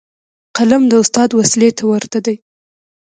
قلم د استاد وسلې ته ورته دی.